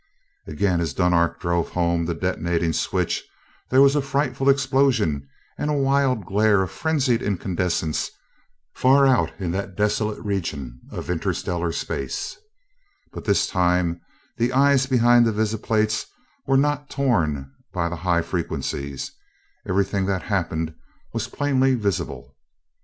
Again, as Dunark drove home the detonating switch, there was a frightful explosion and a wild glare of frenzied incandescence far out in that desolate region of interstellar space; but this time the eyes behind the visiplates were not torn by the high frequencies, everything that happened was plainly visible.